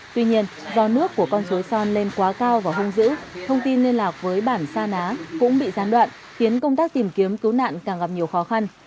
tuy nhiên do nước của con suối son lên quá cao và hung dữ thông tin liên lạc với bản sa ná cũng bị gián đoạn khiến công tác tìm kiếm cứu nạn càng gặp nhiều khó khăn